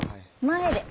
前で。